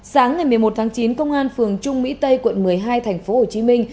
sáng ngày một mươi một tháng chín công an phường trung mỹ tây quận một mươi hai tp hcm